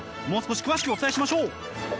もう少し詳しくお伝えしましょう。